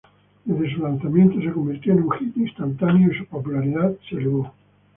Desde su lanzamiento, se convirtió en un hit instantáneo y su popularidad se elevó.